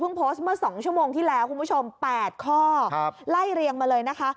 โพสต์เมื่อ๒ชั่วโมงที่แล้วคุณผู้ชม๘ข้อไล่เรียงมาเลยนะคะ